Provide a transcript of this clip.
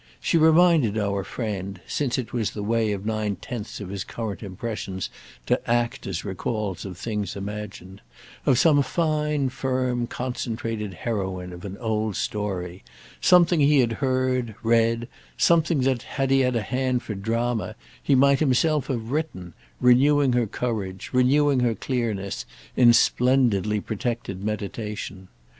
She reminded our friend—since it was the way of nine tenths of his current impressions to act as recalls of things imagined—of some fine firm concentrated heroine of an old story, something he had heard, read, something that, had he had a hand for drama, he might himself have written, renewing her courage, renewing her clearness, in splendidly protected meditation.